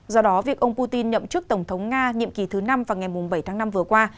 do đó việc ông putin nhậm chức tổng thống nga nhiệm kỳ thứ năm vào ngày bảy tháng năm vừa qua